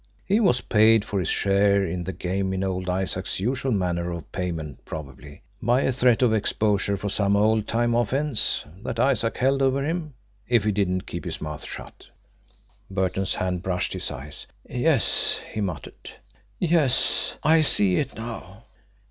He was paid for his share in the game in old Isaac's usual manner of payment probably by a threat of exposure for some old time offence, that Isaac held over him, if he didn't keep his mouth shut." Burton's hand brushed his eyes. "Yes," he muttered. "Yes I see it now."